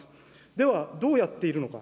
では、どうやっているのか。